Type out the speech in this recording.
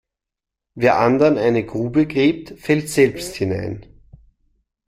Wer anderen eine Grube gräbt fällt selbst hinein.